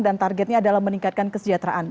dan targetnya adalah meningkatkan kesejahteraan